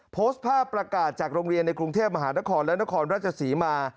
โพสต์ภาพประกาศจากโรงเรียนในกรุงเทพมหานครและนครราชศรีมา